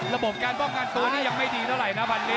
ระบบการป้องกันตัวนี่ยังไม่ดีเท่าไหร่นะวันนี้